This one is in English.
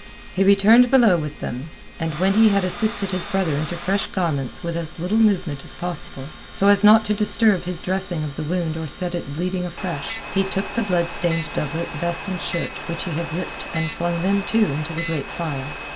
He returned below with them, and when he had assisted his brother into fresh garments with as little movement as possible so as not to disturb his dressing of the wound or set it bleeding afresh, he took the blood stained doublet, vest, and shirt which he had ripped and flung them, too, into the great fire.